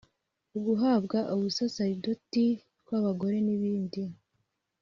uguhabwa ubusaserdoti kw’abagore n’ibindi)